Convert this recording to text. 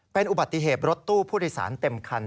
เป็นอุบัติเหตุรถตู้ผู้โดยสารเต็มคัน